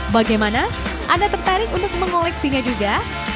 bagaimana anda tertarik untuk mengoleksinya juga